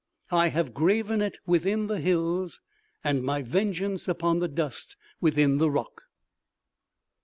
_"I have graven it within the hills, and my vengeance upon the dust within the rock."